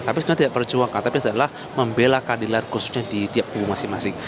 tapi sebenarnya tidak berjuangkan tapi adalah membela keadilan khususnya di tiap kubu masing masing